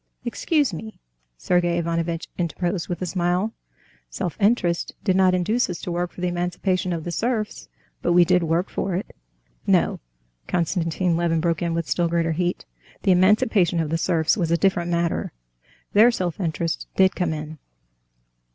"Excuse me," Sergey Ivanovitch interposed with a smile, "self interest did not induce us to work for the emancipation of the serfs, but we did work for it." "No!" Konstantin Levin broke in with still greater heat; "the emancipation of the serfs was a different matter. There self interest did come in.